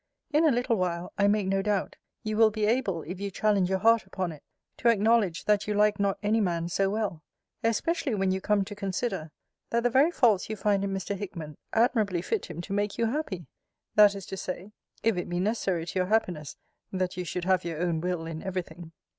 In a little while, I make no doubt, you will be able, if you challenge your heart upon it, to acknowledge, that you like not any man so well: especially, when you come to consider, that the very faults you find in Mr. Hickman, admirably fit him to make you happy: that is to say, if it be necessary to your happiness, that you should have your own will in every thing.